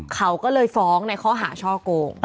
เขาก็เลยฟ้องในข้อหาช่อโกง